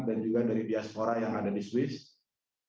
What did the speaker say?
dan juga dari diaspora yang ada di swiss